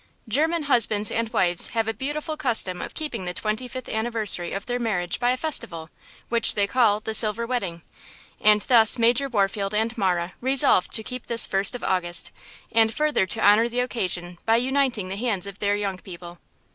German husbands and wives have a beautiful custom of keeping the twenty fifth anniversary of their marriage by a festival, which they call the "Silver Wedding." And thus Major Warfield and Marah resolved to keep this first of August, and further to honor the occasion by uniting the hands of their young people.